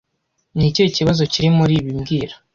Ni ikihe kibazo kiri muri ibi mbwira